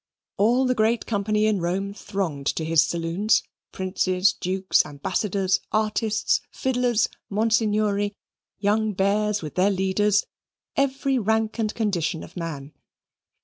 All the great company in Rome thronged to his saloons Princes, Dukes, Ambassadors, artists, fiddlers, monsignori, young bears with their leaders every rank and condition of man.